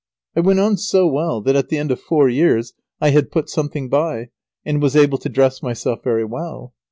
I went on so well that at the end of four years I had put something by, and was able to dress myself very well.